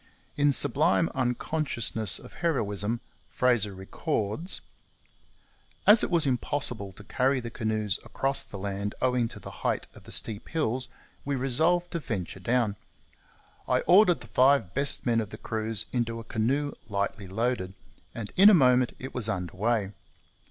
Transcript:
In sublime unconsciousness of heroism Fraser records: As it was impossible to carry the canoes across the land owing to the height of the steep hills, we resolved to venture down. I ordered the five best men of the crews into a canoe lightly loaded; and in a moment it was under way.